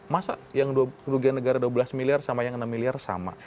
masa yang kerugian negara dua belas miliar sama yang enam miliar sama